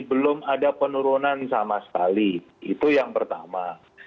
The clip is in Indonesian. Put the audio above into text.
belum ada penurunan sama sekali itu yang pertama